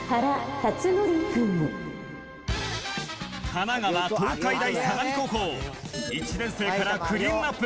神奈川東海大相模高校１年生からクリーンアップ